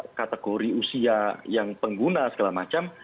untuk kategori usia yang pengguna segala macam